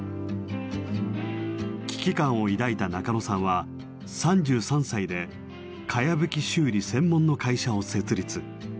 危機感を抱いた中野さんは３３歳でかやぶき修理専門の会社を設立。